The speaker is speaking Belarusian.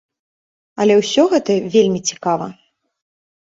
Але ўсё гэта вельмі цікава.